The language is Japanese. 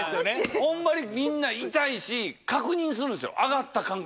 ホンマにみんな痛いし確認するんすよ。